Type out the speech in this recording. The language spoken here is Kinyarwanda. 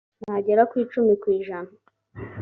ntagera ku icumi ku ijana.